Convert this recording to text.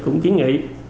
cũng kiến nghị